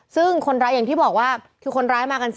ซึ่งคนร้ายอย่างที่บอกว่าคือคนร้ายมากันสิ